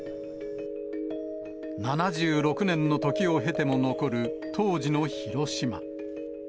７６年の時を経ても残る当時の広島。